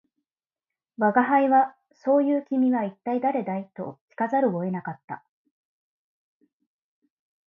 吾輩は「そう云う君は一体誰だい」と聞かざるを得なかった